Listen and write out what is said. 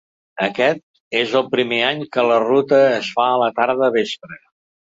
Aquest és el primer any que la ruta es fa a la tarda vespre.